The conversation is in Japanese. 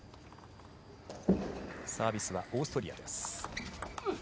サービスはオーストリア。